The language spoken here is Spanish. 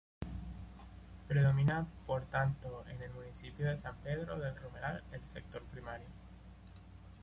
Predomina por tanto, en el municipio de San Pedro del Romeral, el sector primario.